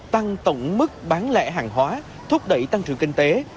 tăng tổng mức bán lẻ hàng hóa thúc đẩy tăng trưởng kinh tế